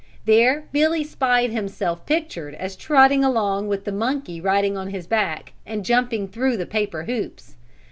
There Billy spied himself pictured as trotting along with the monkey riding on his back and jumping through the paper hoops.